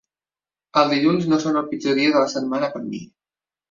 Els dilluns no són el pitjor dia de la setmana per mi.